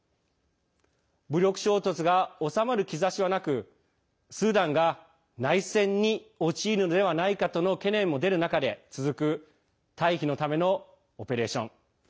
武力衝突が収まる兆しはなくスーダンが内戦に陥るのではないかとの懸念も出る中で続く退避のためのオペレーション。